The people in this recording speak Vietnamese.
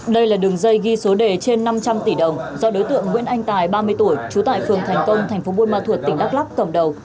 đây là đường dây ghi số đề trên năm trăm linh tỷ đồng do đối tượng nguyễn anh tài ba mươi tuổi trú tại phường thành công thành phố buôn ma thuột tỉnh đắk lắk cầm đầu